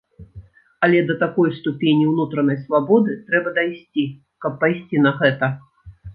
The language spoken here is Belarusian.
Але да такой ступені ўнутранай свабоды трэба дайсці, каб пайсці на гэта!